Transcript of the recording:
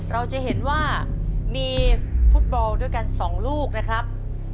เราจะเห็นว่ามีฟุตบอลด้วยกัน๒ลูกนะครับ